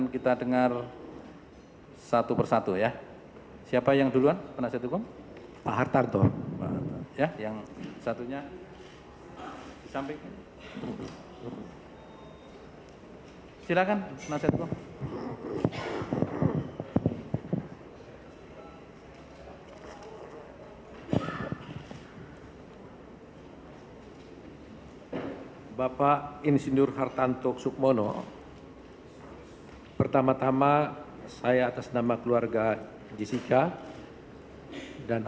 kalau karena itu saya lanjutkan